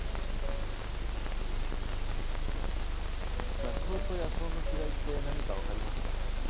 雑草と野草の違いって何かわかりますか？